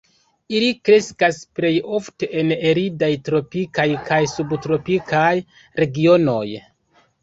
Ili kreskas plej ofte en aridaj tropikaj kaj subtropikaj regionoj.